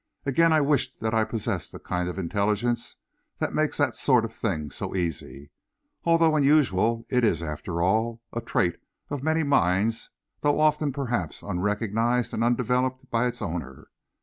Again I wished that I possessed the kind of intelligence that makes that sort of thing so easy. Although unusual, it is, after all, a trait of many minds, though often, perhaps, unrecognized and undeveloped by its owner.